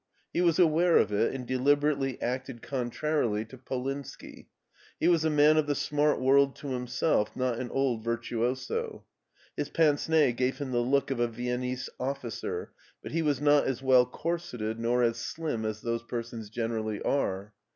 He was aware of it, and de liberately acted contrarily to Polinski. He was a man of the smart world to himself, not an old virtuoso. His pince nez gave him the look of a Viennese officer, but he was not as well corseted nor as slim as those persons generally are.